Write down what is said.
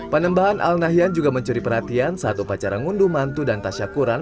penembahan al nahyan juga mencuri perhatian saat upacara ngunduh mantu dan tasyakuran